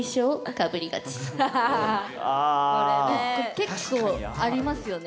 結構ありますよね。